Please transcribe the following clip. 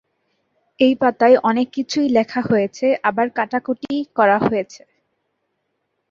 এই পাতায় অনেক কিছুই লেখা হয়েছে, আবার কাটাকুটি করা হয়েছে।